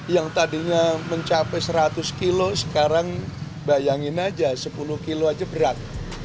yang tadinya mencapai seratus kilo sekarang bayangin aja sepuluh kilo aja berat